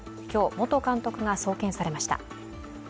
今日、元監督が送検されました。